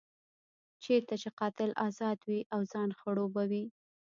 چېرته چې قاتل ازاد وي او ځان خړوبوي.